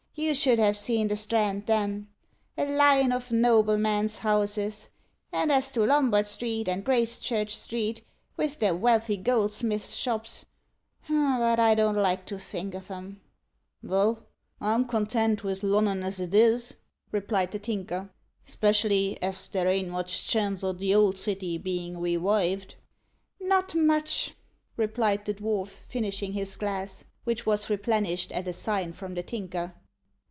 You should have seen the Strand then a line of noblemen's houses and as to Lombard Street and Gracechurch Street, with their wealthy goldsmiths' shops but I don't like to think of 'em." "Vell, I'm content vith Lunnun as it is," replied the Tinker, "'specially as there ain't much chance o' the ould city bein' rewived." "Not much," replied the dwarf, finishing his glass, which was replenished at a sign from the Tinker.